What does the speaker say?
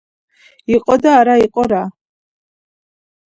იყო და არაა იყო რა